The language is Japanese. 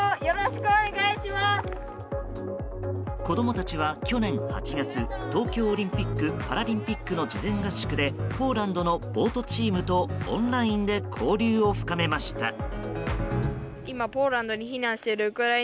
子供たちは、去年８月東京オリンピック・パラリンピックの事前合宿でポーランドのボートチームとオンラインで交流を深めました。